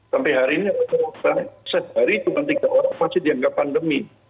sampai hari ini rata rata sehari cuma tiga orang masih dianggap pandemi